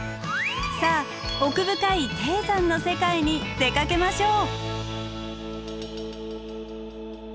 さあ奥深い低山の世界に出かけましょう。